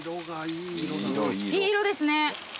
いい色ですね。